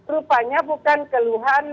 rupanya bukan keluhan medis bukan keluhan fisik